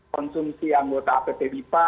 konsumsi anggota apt bipa